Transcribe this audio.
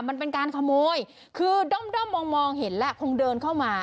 มันเป็นการขโมยคือด้อมมองมองเห็นแล้วคงเดินเข้ามา